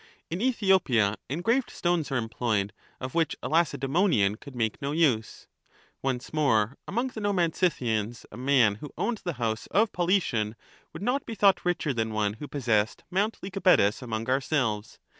In Ethiopia engraved stones are employed, of which a Lacedaemonian could make no use. Once more, among the Nomad Scythians a man who owned the house of Polytion would not be thought richer than one who possessed Mount Lycabettus among ourselves.